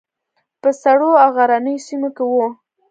په سړو او غرنیو سیمو کې وو.